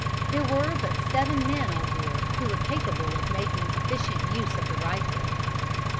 There were but seven men on board who were capable of making efficient use of the rifle.